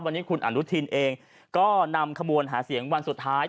วันนี้คุณอนุทินเองก็นำขบวนหาเสียงวันสุดท้าย